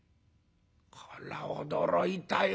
こら驚いたよ。